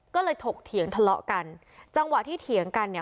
ก็เลยถกเถียงทะเลาะกันจังหวะที่เถียงกันเนี่ย